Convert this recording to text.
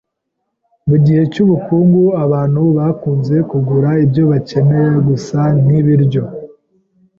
Mu gihe cy’ubukungu, abantu bakunze kugura ibyo bakeneye gusa, nkibiryo